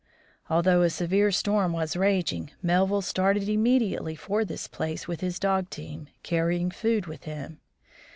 Although a severe storm was raging, Melville started immediately for this place with his dog team, carrying food with him.